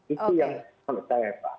itu yang menurut saya pak